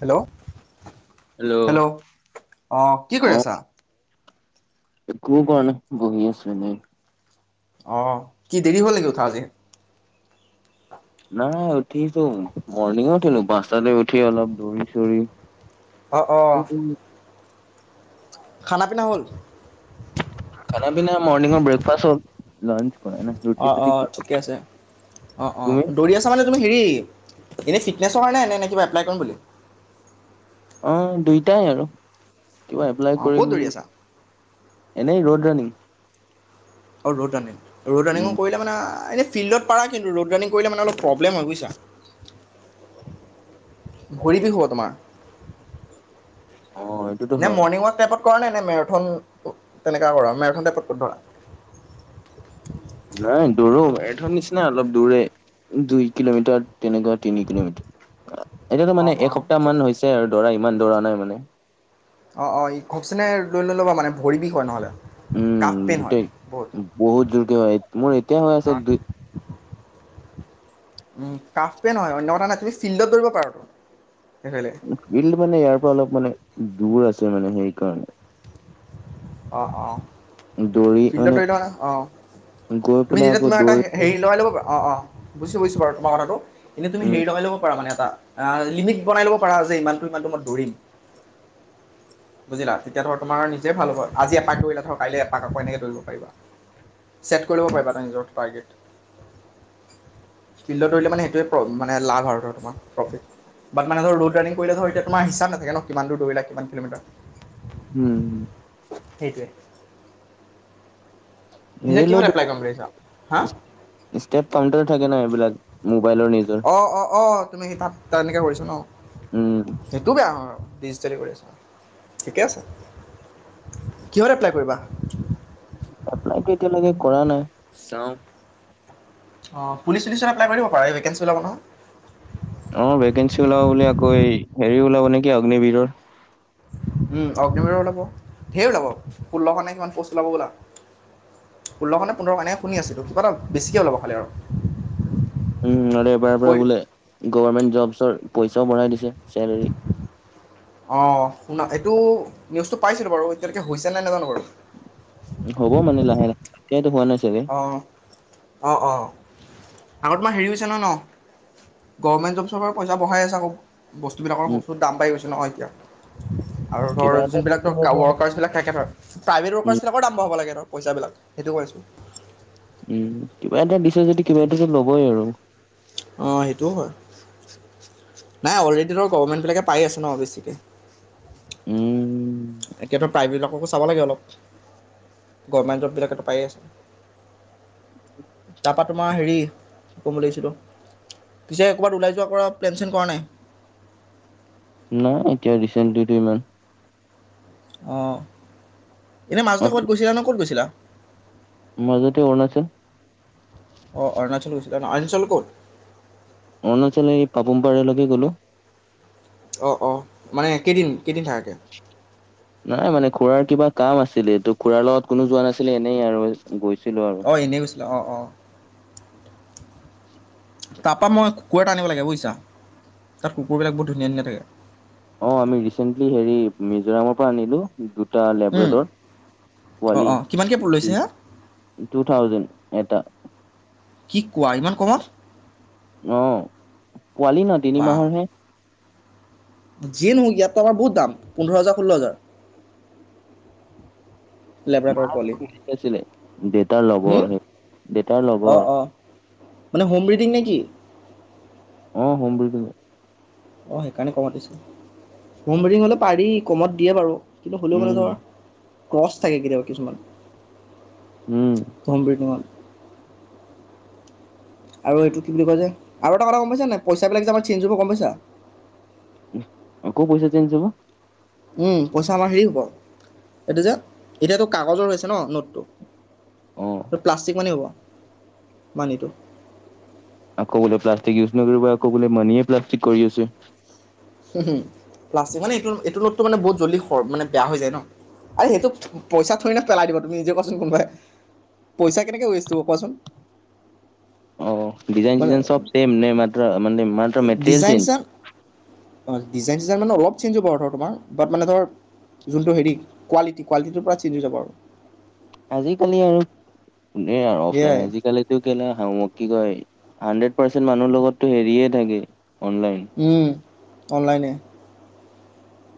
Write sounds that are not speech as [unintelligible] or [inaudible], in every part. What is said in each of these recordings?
Hello hello অ', কি কৰি আছা? একো কৰা নাই বহি আছোঁ এনেই। অ', কি দেৰি হ'ল নেকি উঠা আজি? নাই উঠিছো, মৰ্ণিঙো উঠিলো পাঁচটাতে উঠি অলপ দৌৰি-চৌৰি অ', অ'। খানা পিনা হ'ল? খানা পিনা মৰ্নিংৰ ব্ৰেকফাষ্ট হ'ল লাঞ্চ কৰা নাই। ৰুটি অ', চুটি অ', খালো ঠিকে আছে অ', অ'। তুমি দৌৰি আছা মানে তুমি হেৰী, এনে ফিটনেছৰ কাৰনে নে নে কিবা এপ্লাই কৰিম বুলি? অ', দুইটাই আৰু কিবা এপ্লাই অঁ ক'ত কৰিম দৌৰি আছা এনেই ৰোড ৰানিং। অ', ৰোড ৰানিং, ৰোড উম ৰানিঙো কৰিলে মানে এনেই ফিল্ডত পাৰা কিন্তু, ৰোড ৰানিং কৰিলে মানে অলপ প্ৰব্লেম হয়, বুজিছা। ভৰি বিষ হ'ব তোমাৰ। অঁ। নে মৰ্ণিং ৱাক টাইপত কৰা নাই নে, মেৰাথন তেনেকা কৰা মেৰাথন টাইপত কৰা। নাই দৌৰো মেৰ্থন নিচিনা অলপ দৌৰে। দুই কিলোমিটাৰ তেনেকুৱা তিনি কিলোমিটাৰ। এতিয়াতো অঁ মানে অঁ এসপ্তাহ ঠিকে। মান হৈছে আৰু দৌৰা ইমান দৌৰা নাই মানে। অ অ ইখচনে লৈ নল'বা মানে ভৰি বিষ হয়, নহ'লে। কাফ উম, পেইন হয় গোটেই বহুত বহুত জোৰকে হয়, মোৰ এতিয়া হৈ আছে অঁ বিষ। উম, কাফ পেন হয়, অন্য কথা নাই তুমি ফিল্ডত দৌৰিব পাৰাতো এইফালে। ফিল্ড মানে ইয়াৰ পৰা অলপ মানে দূৰ আছে মানে সেইকাৰণে। অঁ অঁ। দৌৰি ফিল্ডত মানে দৌৰি থাকা অঁ, গৈ তুমি পেলাই তেতিয়া আকৌ তোমাৰ এটা দৌৰি হেৰি পেলাই লগাই ল'ব পাৰা অঁ অঁ। বুজিছোঁ বুজিছোঁ বাৰু তোমাৰ কথাটো, এনেই তুমি উম হেৰি লগাই ল'ব পাৰা মানে এটা। অঁ, লিমিট বনাই ল'ব পাৰা যে ইমানটো ইমানটো মই দৌৰিম। বুজিলা তেতিয়া ধৰ তোমাৰ নিজেই ভাল হ'ব। আজি এপাক দৌৰিলা ধৰ কাইলৈ এপাক আকৌ এনেকৈ দৌৰিব পাৰিবা। ছেট কৰি ল'ব পাৰিবা তেনকৈ নিজৰ টাৰ্গেট। ফিল্ডত দৌৰিলে মানে সেইটোৱে মানে লাভ আৰু তোমাৰ প্ৰফিট। বাত মানে ধৰ ৰোড ৰানিং কৰিলে ধৰ এতিয়া তোমাৰি হিচাপ নাথাকে ন' কিমান দূৰ দৌৰিলা কিমান কিলমিটাৰ। উম। সেইটোৱে। এতিয়া হেৰি লৈ কিহত এপ্লাই কৰিম বুলি ভাবিছা হা? ষ্টেপ কউণ্টাৰো থাকে ন এইবিলাক মোবাইলৰ নিউজ অঁ অঁ অঁ, তুমি সি তাত তেনেকৈ কৰিছা ন'? উম সেইটো বেয়া নহয় আৰু ডিজিটেলি কৰি আছা ঠিকে আছে। কিহত এপ্লাই কৰিবা? এপ্লাইটো এতিয়ালকে কৰা নাই, চাও। অঁ পুলিচ চুলিচত এপলাই কৰিব পাৰে এই ভেকেঞ্চি ওলাব নহয়। অঁ ভেকেঞ্চি ওলাব বুলি আকৌ হেৰি ওলাব নেকি অগ্নিবিৰৰ। উম অগ্নিবিৰৰ ওলাব, ধেৰ ওলাব ষোল্লশ নে কিমান প'ষ্ট ওলাব হ। ষোল্লশনে পোন্ধৰশ এনেহে শুনি আছিলো, কিবা এটা বেছিকে ওলাব খালি আৰু। উম আৰু এইবাৰৰ পৰা কৈ বোলে গভৰ্মেণ্ট জবছৰ পইচাও বঢ়াই দিছে চেলাৰী। অঁ শুনা এইটো নিউজটো পাইছিলো বাৰু এতিয়ালৈকে হৈছে নাই নেজানো বাৰু। হ'ব মানে লাহে লাহে, এতিয়াইটো হোৱা নাই চাগে। অঁ অঁ অঁ, আগত তোমাৰ হেৰি হৈছে নহয় ন। গভৰ্ণমেণ্ট জব চৰ পৰা পইচা বঢ়াই আছে আকৌ, বস্তুবিলাকৰ উম বস্তুৰ দাম বাঢ়ি গৈছে নহয় এতিয়া। আৰু ধৰ কিবা এটা যোনবিলাক কাউ ৱৰ্কাৰ্ছবিলাক থাকে ধৰ, প্ৰাইভেট উম ৱৰ্কাৰছ বিলাকৰ দাম বঢ়াব লাগে ধৰক পইচাবিলাক সেইটো কৈছো। উম, কিবা এটা দিছে যদি কিবা এটা ল'বই আৰু। অঁ সেইটোও হয়, নাই অলৰেডি ধৰ গভণমেণ্টবিলাকে পাই আছে ন বেছিকে। উম এতিয়া ধৰ প্ৰাইভেট বিলাককো চাব লাগে অলপ, গভৰমেণ্ট জবিলাকেতো পায়ে আছে। তাৰপা তোমাৰ হেৰি কি কম বুলি ভাবিছিলো। পিছে ক'ৰবাত ওলাই যোৱা কৰা প্লেন চেলেন কৰা নাই। নাই এতিয়া ৰিচেন্টতো দুই দিনমান অঁ। এনে আপ- গৈছিলা ন ক'ত গৈছিলা মাজতে অৰুণাচল অৰুণাচল গৈছিলা ন অৰুণাচলৰ কত অৰুণাচল এই পাপুম পাৰলৈকে গ'লো অঁ অঁ মানে কেইদিন কেইদিন থাকাকৈ নাই মানে খুৰাৰ কিবা কাম আছিলেটো খুৰাৰ লগত কোনো যোৱা নাছিলে এনেই আৰু গৈছিলো আৰু অ এনেই গৈছিলে অ অ [unintelligible] তাপা মই কুকুৰ এটা আনিব লাগে বুজিছা তাত কুকুৰবিলাক বহুত ধুনীয়া ধুনীয়া থাকে অ আমি ৰিচেণ্টলি হেৰি মিজোৰামৰ পৰা আনিলো দুটা থাকে লেবৰেদৰ অঁ পোৱালি অঁ কিমানকৈ লৈছে হা টু থাউজেন এটা কি কোৱা ইমান কমত অ পোৱালি ন তিনি মাহৰহে যিয় নহক ইয়াতটো আমাৰ বহুত দাম পোন্ধৰ হাজাৰ ষোল্ল হাজাৰ লেব্ৰাডৰ মাইয়ে পোৱালি [unintelligible] আছিলে দেউতাৰ হুম লগৰ সেই দেউতাৰ অঁ লগৰ অঁ মানে হমব্ৰিডিং নে কি অ হোম ব্ৰিডিং অ সেইকাৰণে কমত দিছে হোম ব্ৰিডিং হলে পাৰি কমত দিয়ে বাৰু কিন্তু হ'লেও মনে উম ধৰা ক্ৰচ থাকে কেতিয়াবা কিছুমান উম হোম ব্ৰিডিংৰ আৰু এইটো কি বুলি কয় যে আৰু এটা কমাই নাই পইচাবিলাক যে আমাৰ চেন্জ হ'ব গম পাইছা আকৌ পইচা চেন্জ হব উম পইচা আমাৰ হেৰি হ'ব এইটো যে এতিয়াতো কাগজৰ হৈছে ন নোটটো অ টো প্লাষ্টিক মানি হ'ব মানীটো আকৌ বোলে প্লাষ্টিক ইউজ নকৰিবা আকৌ বোলে মানীয়ে প্লাষ্টিক কৰি আছে প্লষ্টিক মানে এইটো এইটো নোটটো মানে বহুত জল্দি মানে বেয়া হৈ যায় ন আৰ সেইটো পইচা থৰি নে পেলাই দিব তুমি নিজে কোৱাচোন কোনবাই পইচা কেনেকে ৱেষ্ট কৰিব কোৱাচোন অঁ ডিজাইন মানে চিজাইন চব চেম নে মাত্ৰ মানে মাত্ৰ মেটেৰিয়েল ডিজাইন চেঞ্জ চিজাইন ডিজাইন চিজাইন মানে অলপ চেঞ্ হ'ব আৰু ধৰ তোমাৰ বাট মানে ধৰ যোনটো হেৰি কোৱালিটি কোৱিটিটোৰ পৰা চে্জ হৈ যাব আৰু আজিকালি আৰু কোনে আৰু অফলাইন সেয়াই আজিকালি কি কয় হাড্ৰেড পাৰ্চেন্ট মানুহৰ লগতো হেৰিয়ে থাকে অনলাইন অ অনলাইনেই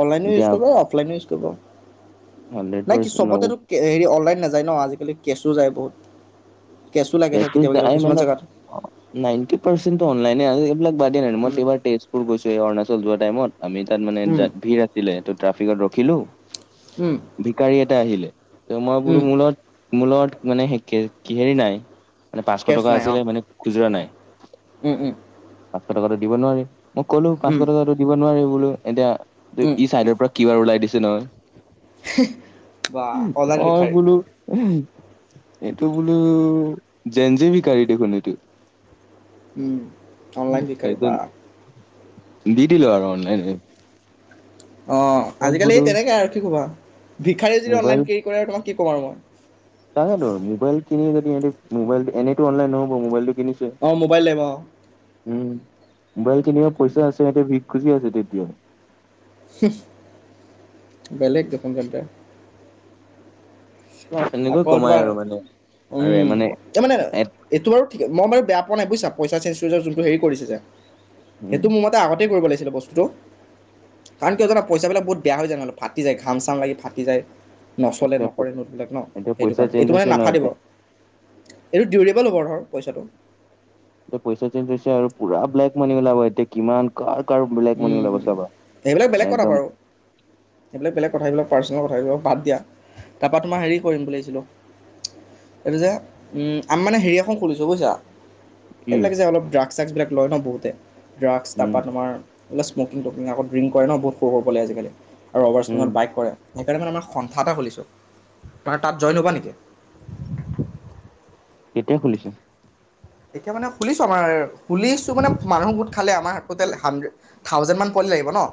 অনলাইন ইউজ এতিয়া কৰিব অফলাইন ইউজ কৰিব হাণ্ড্ৰেড নাই কি পাৰ্চেন্ট চবতেতো হেৰি অনলাইন নাযায় ন আজিকালি কেছটো যায় বহুত কেছোও লাগে ধৰক কেতিয়াবা কিছুমান জেগাত অ নাইনটি পাৰ্চেণ্টেই অলাইনে আজি এইবিলাক বাদ দিয়া নাই মই উম এইবাৰ তেজপুৰ গৈছো এইবা অৰুাচল যোৱা টাইমত আমি তাত মানে উম জাত ভিৰ আছিলে ত ট্ৰাফিকত ৰখিলো উম ভিকাৰী এটা আহিলে ত মই উম বোলো মোৰ মোৰলগত মানে কে হেৰি নাই মানে পাঁচশ কেছ টকা আছিলে মানে খুচুৰা নাই উহ উহ পাঁচশ টকাতো দিব নোৱাৰি মই কলো পাঁচশ উম। টকাতো দিব নোৱাৰি বোলো এতিয়া ত উম, ই ছাইডৰ পৰা কিবাৰ ওলাই দিছে নহয় বা অনলাইন মই ভিক্ষাৰী। বোলো এইটো বোলো যেন যিবিকাৰী দেখোন এইটো উম, অনলাইন ভিক্ষাৰী বা তাৰপিছত কিনি দিলো আৰু অনলাইনে। অঁ আজিকালি বোলো তেনেকৈ আৰু কি খ'বা ভিখাৰিয়ে যদি মোবাইল অনলাইন কেৰি কৰে আৰু তোমাক কি ক'ম আৰু মই, তাকেতো ম'বাইল কিনি যদি ইহতি ম'বাইল টো এনেতটো অনলাই নহ'ব ম'বাইল কিনি অ', ম'বাইল লাগিব অ উম মোবাইল কিনিব পইচা আছে সিহঁতিতে ভিষ খুজি আছে তেতিয়াও, বেলেগ দেখনোন চন্তাৰ এনেকৈ আকৌ কমাই তোমাৰ আৰু মানে আৰু উম মানে তামানে এ- এইটো বাৰু ঠিক মই বাৰু বেয়া পোৱা নাই বুইছা পইচা চেঞ্জ হেৰি কৰিছে যে উম সেইটো মই তাৰ আগতেই কৰিব লাগিছিলে বস্তুটো। কাৰণ কিয় যানা পইচাবিলাক বহুত বেয়া হৈ যায় হ'লে ফাটি যায় ঘাম চাম লাগি ফাটি যায় নচলে এতিয়া প- নকৰে নোটবিলাক ন এতিয়া সেইটো পইচা কাৰণে, চেঞ্জ এইটো মানে হৈছে ন নাফাতিব। এতিয়া এইটো ডিউৰেবল পইচাটো। এতি পইচা টো আৰু পুৰা ব্লেক মানি ওলাব এতিয়া। কিমান কাৰ কাৰ বেলেগ মনি উম, ওলাব চাবা বেলেগ কথা একদম। বাৰু। সেইবিলাক বেলেগ কথাবিলাক পাৰ্চনেল কথাবিলাক বাদ দিয়া তাৰপৰা তোমাৰ হেৰি কৰিম বুলি ভাবিছিলোঁ এইটো যে আমি মানে হেৰি এখন খুলিছোঁ বুইছা। কি এইবিলাক যে অলপ ড্ৰাগছ চ্ৰাগছ বিলাক লয় ন বহুতে ড্ৰাগছ উম তাৰপৰা তোমাৰ। বোলে স্মকিং টকিংকৌ ড্ৰিং কৰে ন বহুত সৰু সৰু পোৱালি বোৰে আজিকালি আৰু ৰভাৰ উম স্পিঙত বাইক কৰে। সেই কাৰনে আমি আমাৰ সন্থা এটা খুলিছোঁ তোমাৰ তাত জইন হ'বা নেকি? কেতিয়া খুলিছে, এতিয়া মানে খুলিছো আমাৰ খুলিছো মানে মানুহ গো। খালে আমাৰ টোটেল হাড্ৰেড থাউজেণ্ড মান লাগিব ন।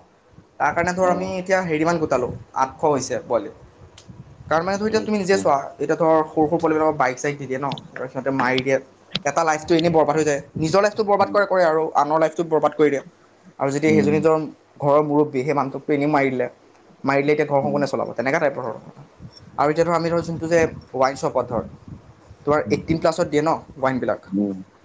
তাৰ কাৰণে ধৰ অ আমি এতিয়া হেৰি মান গোটালো আঠশ হৈছে পোৱালি। তাৰ মানে ধৰ এতিয়া তুমি নিজে আচ্ছা চোৱা এতিয়া ধৰ সৰু সৰু পোৱালিবিলাক বাইক চাই দি দে ন তপিছতে মাৰি দিয়ে। এটা লাইফটো এনেই বৰবাদ হৈ যায়। নিজৰ লাইফটো বৰবাদ উম কৰে কৰে আৰু আনৰ লাইফটো বৰবাদ কৰি দিয়ে আৰু যদি সেইজনীজনৰ। উম ঘৰৰ মুৰববী সেই মানুহটোক এনেই মাৰি দিলে মাৰিদিলে এতিয়া ঘৰখন কোনে চলাব। তেনেকুৱা টাইপৰ ধৰ আৰু এতিয়া ধৰক আমি ধৰ যোনটো যে ৱাইন চপত ধৰ। তোম এইটিন প্লাছত দিয়ে ন বৱাইনিলাক উম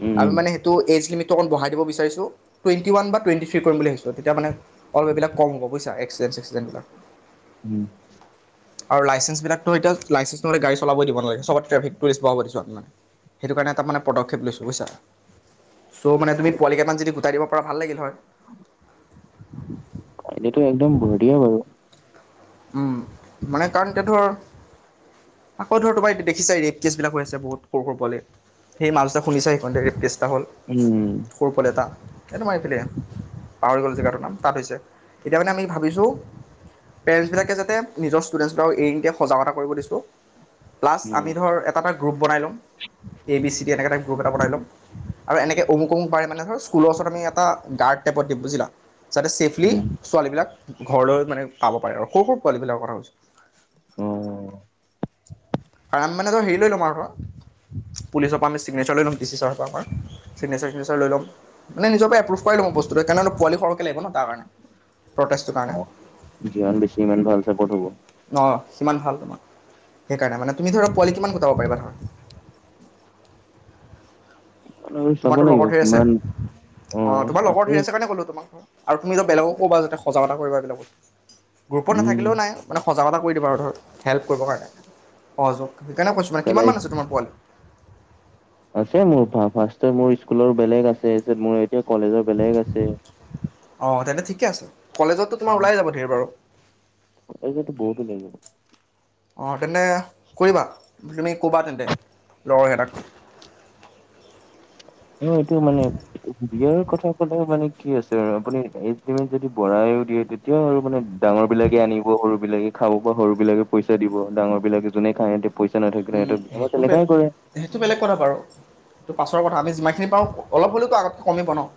উম উম সেইটো এজ লিমি টো অলপ বহাই দিব বিচাৰছো টুৱেনটি ৱান বা টুৱেনটি ঠি কৰি বুলি ভাবিছো তেতিয়া মানে? অলপ এইবিলাক কম গব বুইছা এক্সিডেণ্ট চেক্সি ডেণ্টবিলাক। উম। আৰু লাইচেন্স বিলাকতো এতিয়া লাইচেঞ্চ নতে গাড়ী চলাব দিবালাগেব ট্ৰেক টৰিষ্ট বহাব দিছোঁ মানে সেইটো কাৰণে তাৰমানে পদক্ষে লৈছোঁ বুজছা, চ' মানে তুমি পোৱালি কেইটান যদি গোটাই দিব পৰাাৰ ভাল লাগিল হয়। হয়। এইটো একদম বঢ়িয়া বাৰু। মানে, কাৰণ এতিয়াধৰ আকৌ ধৰ তোমাৰ দেখিছা ৰেপ কেছ বিলাক হৈ আছে বহুত সৰু সৰু পোৱালিৰ। [unintelligible] [unintelligible] উম। সৰু পোৱালি এটা এই তোমৰ এইফালে। পাহৰি গ'লো জেগাটোৰ নাম তাত হৈছে, এতিয়া মানে আমি ভাবিছো পেৰেণ্টছ বিলাকে যাতে নিজৰ ষ্টুডেণ্টছবিলাক এৰি নিদিয়ে সজাগতা কৰিব দিছোঁ প্লাছ উম আমি ধৰ এটা এটা গ্ৰুপ বাই'ম এ বি চি দি এনেকা টাইপ গ্ৰুপ এটা বনাই ল'ম। আৰু এনেকে অমুক অমুক পাৰে মানে ধৰ স্কুলৰ ওচৰত আমি এটা গাৰ্ড টাইপত দিম বুজিলা। যাতে চছেফলি উম ছোৱালী বিলাক ঘৰলৈ মানে পাব পাৰে আৰু সৰু সৰু পোৱালী বিলাকৰ কথা কৈছোঁ। উম, আৰাম মেনেজৰ হেৰি লৈ ল'ম আৰু পৰা পুলিচৰ পৰা আমি চিগনেচাৰ লৈ ল'ম ডি চি চাৰৰ পৰা আমাৰ। চিগনেচাৰ চিগনেচাৰ লৈ ল'ম। মানে নিজৰ পৰা এপ্ৰুভ কৰাই লম বস্তুটো কাৰণ পোৱালি সৰহক লাগিব ন তাৰকাৰণে প্ৰেষ্টটো অ কাৰণে। যিমান বেছি ইমান ভাল চাপৰ্ট হ'ব। অ', সিমান ভাল তোমাৰ সেইকাৰণে মানে তুমি ধৰা পোৱালি কিমান কটাব পাৰিবা ধৰা? আৰু চাব তোমাৰতো লাগিব লগৰ ধেই আছে কিমান অ', তোমাৰ লগৰ ঢেৰ আছে কাৰণে ক'লোঁ তোমাক। আৰু তুমি যে বেলেগক ক'বা যাতে সজাগতা কৰিবা বেলেগত গ্ৰুপত উম নাথাকিলেও নাই। মানে সজাগতা কৰিদিম আৰু ধৰ হেল্প কৰিবৰ কাৰণে সহযোগ সেইকাৰণে কৈছোঁ মানে কিমান পেলাই মমান আছে তোমাৰ পোৱালি? আছে মোৰ ফাৰ্ষ মোৰ স্কুলৰ বেলেগ আছে তাৰপিছত মোৰ এতিয়া কলেজৰ বেলেগ আছে। অ', তেন্তে ঠিকে আছে কলেজতো তোমাৰ ওলাই যাব ধেৰ বাৰু। এইটোৱেটো বহুত ওলাই যাব। অ', তেন্তে কৰিবা তুমি ক'বা তেন্তে লগৰ কেইটাক। অ', এইটো মানে বিয়াৰ কথা ক'লে মানে কি আছে আৰু আপুনি এইজ লিমিট যদি বঢ়াইও দিয়ে। এতিয়াও আৰু মানে ডাঙৰ বিলাকে আনিব সৰু বিলাকে খাব পৰা সৰু বিলাকে পইচা দিব ডাঙৰ বিলাকে যোনে খায় পইচা নথাকিলে সিহঁতে সেইটো বে তেনেকাই কৰে। সেইটো বেলেগ কথা বাৰু। ত' পাছৰ কথা আমিমানখিনি হ'লেও আগত কে কমিব ন'।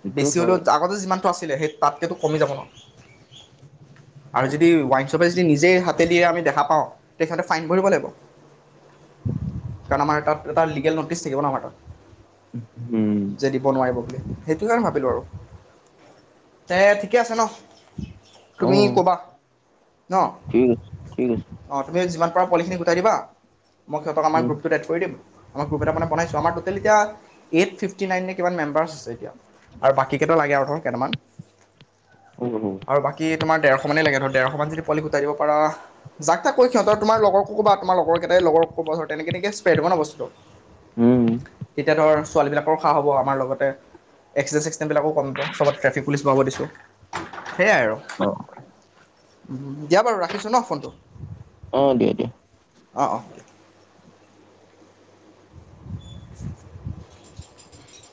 সেইটো বেছি হ'লেও হয়। আগতে যিমানটো আছিলে সেই তাতকো কমিব যাব ন'। আৰু যদি ৱাইনশ্বপে যদি নিজেই হাতে দিয় আমি দেখা পাওঁ তে সিহঁতে ফাইন ভৰিব লাগিব। কাৰণ আমাৰ তাত লিগেল নটিছ ন' আমাৰ তাত। উ, উম। যে দিব নোৱাৰিব বুলি, সেইটো কাৰণে ভাবিলোঁ আৰু। তে ঠিকে আছে ন'। অ তুমি ক'বা ন ঠিক আছে ঠিক আছে অ', তুমি যিমান পাৰা পোৱালিখিনি গোটাই দিবা। মই সিহঁতক আমাৰ উম গ্ৰুপটোত এড কৰি দিম। আমাৰ গ্ৰুপ এটানে বনাইছো আমাৰ 'টেল এতিয়া এইট ফিফটি নাইনে কিমান মেম্বাৰ্চ আছে এতিয়া। আৰু বাকী কেইটা লাগে আৰু ধৰ কেইটামান হ'ব হ'ব আৰু বাকী তোমাৰ ডৰশ মানেই লাগে ধৰ ডেৰশ মান যদি পালি গোতাই দিব পাৰ যাক তাক কৰি সিহঁত তোম লগৰ ক'বা তোমাৰ লগৰকেইাই লগৰ ক'ব ধৰ তেনেকেই তেনেকেই স্প্ৰে'ব হ'ব ন বস্তুটো। উম, এতিয়া ধৰ ছোৱালী বিলাকৰো খা হ'ব আমাৰ লগতে। এক্সাইজ চে্সটাইমবিলাকো কমিব চবত ট্ৰেফিক পুলিচ বহাব দিছোঁ সেয়াই আৰু। অ', দিয়া বাৰু ৰাখিছোঁ ন' ফ'ন টো। অ' দিয়- দিয়। অ', অ'। [inaudible]